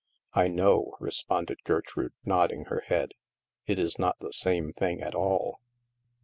I know," responded Gertrude, nodding her head ; it is not the same thing at all."